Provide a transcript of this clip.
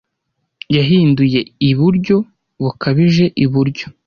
Yahinduye iburyo bukabije iburyo.